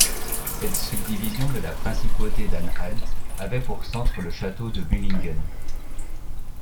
Cette subdivision de la principauté d'Anhalt avait pour centre le château de Mühlingen.